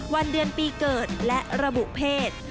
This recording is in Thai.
วันเดือนปีเกิดและระบุเพศ